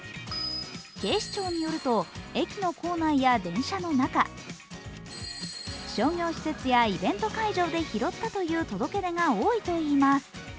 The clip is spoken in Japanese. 警視庁によると、駅の構内や電車の中、商業施設やイベント会場で拾ったという届け出が多いといいます。